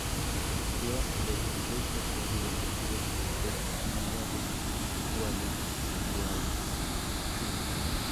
Surgido de Club Social y Deportivo Juventud Unida de Gualeguaychú.